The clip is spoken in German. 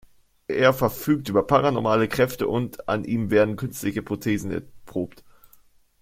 Er verfügt über paranormale Kräfte und an ihm werden künstliche Prothesen erprobt.